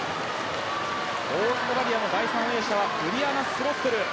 オーストラリアの第３泳者はブリアナ・スロッセル。